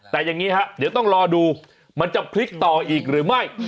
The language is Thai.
แต่อย่างนี้ฮะเดี๋ยวต้องรอดูมันจะพลิกต่ออีกหรือไม่